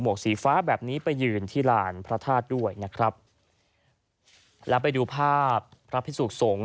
วกสีฟ้าแบบนี้ไปยืนที่ลานพระธาตุด้วยนะครับแล้วไปดูภาพพระพิสุขสงฆ